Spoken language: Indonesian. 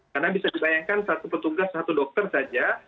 karena bisa dibayangkan satu petugas satu dokter saja